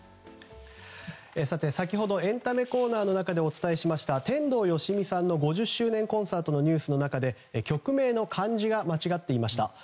先ほどエンタメコーナーの中でお伝えしました天童よしみさんの５０周年コンサートのニュースの中で曲名の漢字が間違っていました。